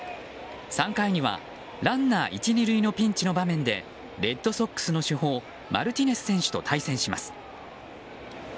３回にはランナー１、２塁のピンチの場面でレッドソックスの主砲マルティネス選手と対戦します。